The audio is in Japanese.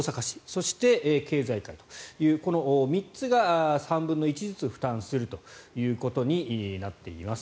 そして、経済界というこの３つが３分の１ずつ負担するということになっています。